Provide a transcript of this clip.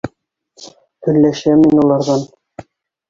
Көнләшәм мин уларҙан.